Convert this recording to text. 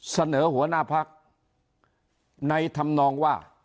เสนอหัวหน้าพักในธรรมนองว่า